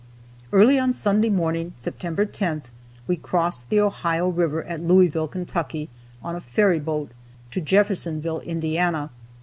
Early on Sunday morning, September 10th, we crossed the Ohio river at Louisville, Kentucky, on a ferry boat, to Jeffersonville, Indiana.